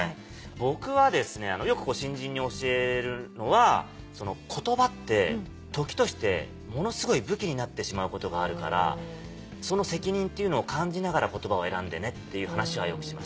僕はよく新人に教えるのは言葉って時としてものすごい武器になってしまうことがあるからその責任っていうのを感じながら言葉を選んでねっていう話はよくします。